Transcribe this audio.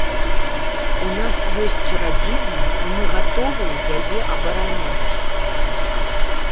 У нас ёсць радзіма і мы гатовы яе абараняць.